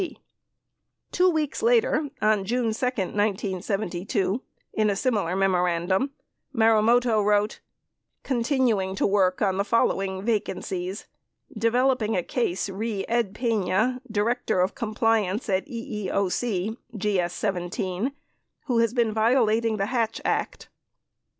54 Two weeks later, on June 2, 1972, in a similar memorandum, Maru moto wrote : Continuing to work on the following vacancies : Developing a case re Ed Pena, Director of Compliance at EEOC (GS 17) who has been violating the Hatch Act.